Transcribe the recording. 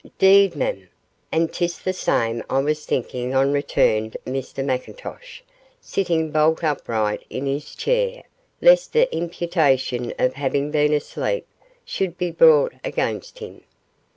''Deed, mem, and 'tis that same I was thinkin' o',' returned Mr McIntosh, sitting bolt upright in his chair, lest the imputation of having been asleep should be brought against him.